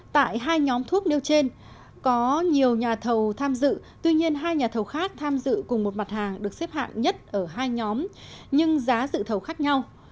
tại hai nhóm thuốc nêu trên có nhiều nhà thầu tham dự tuy nhiên hai nhà thầu khác tham dự cùng một mặt hàng được xếp hạng nhất ở hai nhóm nhưng giá dự thầu khác nhau